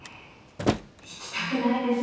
引きたくないですよね。